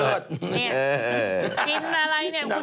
นี่จิ๊นอะไรเนี่ยคุณจิ๊น